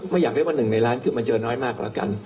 ไม่อยากเรียกว่าหนึ่งในล้านคือมันเจอน้อยมากแล้วกัน